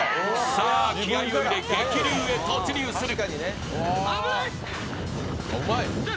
さあ、気合いを入れ、激流へ突入する。